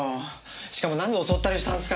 しかもなんで襲ったりしたんですか？